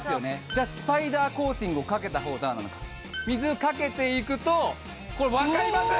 じゃあスパイダーコーティングをかけた方はどうなのか水かけていくとこれ分かります！？